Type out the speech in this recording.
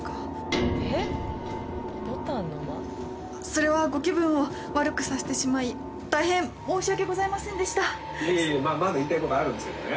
それはご気分を悪くさせてしまい大変申し訳ございませんでしたいやいやまだ言いたいことあるんですけどね